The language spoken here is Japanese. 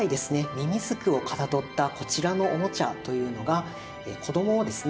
みみずくをかたどったこちらのおもちゃというのが子どもをですね